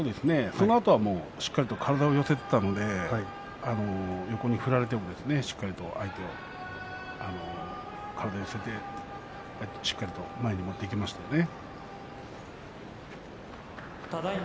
そのあとは体を寄せていきましたので横に振られても、しっかりと体を寄せてしっかりと前に持っていきましたね。